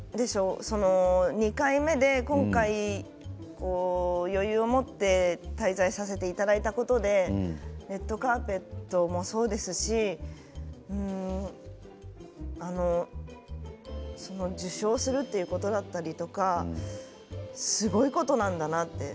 ２回目で今回余裕を持って滞在させていただいたことでレッドカーペットもそうですし受賞することだったりとかすごいことなんだなと。